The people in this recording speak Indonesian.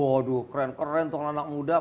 waduh keren keren tuh anak muda